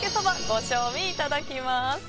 ご賞味いただきます。